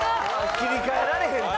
切り替えられへんって。